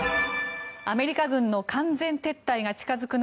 アメリカ軍の完全撤退が近付く中